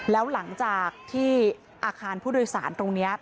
แล้วหลังจากที่อาคารผู้โดยสารตรงนี้